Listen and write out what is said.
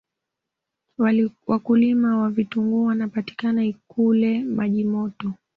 wakulima wa vitunguu wanapatika likule majimoto